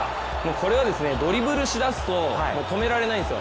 これはドリブルしだすと止められないんですよ。